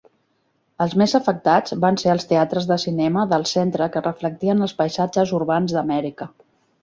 Els més afectats van ser els teatres de cinema del centre que reflectien els paisatges urbans d'Amèrica.